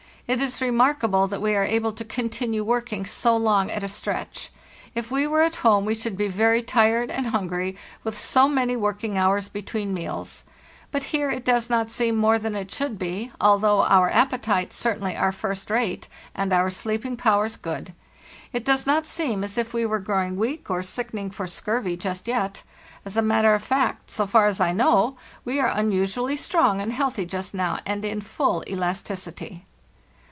It is remarkable that we are able to continue working so long at a stretch. If we were at home we should be very tired and hungry, with so many working hours between meals; but here it does not seem more than it should be, although our appetites certainly are first rate and our sleeping powers good. It does not seem as if we were growing weak or sickening for scurvy just yet. As a matter of fact, so far as I know, we are unusually strong and healthy just now and in full elasticity.